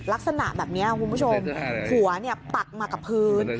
ลักษณะแบบนี้คุณผู้ชมหัวปักมากับพื้น